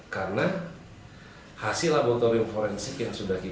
karena hasil laboratorium forensik yang sudah kita